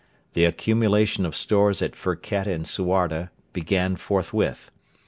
The accumuluation of stores at Firket and Suarda began forthwith.